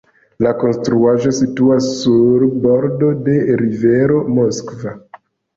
La konstruaĵo situas sur bordo de rivero Moskva.